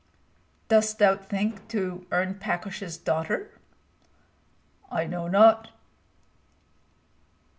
"Dost thou think to earn Pakosh's daughter?" "I know not."